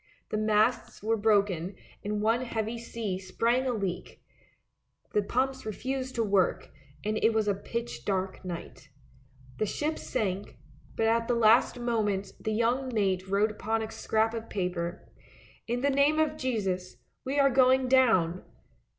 The masts were broken and one heavy sea sprang a leak; the pumps refused to work; and it was a pitch dark night. The ship sank, but at the last moment the young mate wrote upon a scrap of paper, " In the name of Jesus, we are going down!